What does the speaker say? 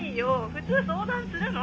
普通相談するの！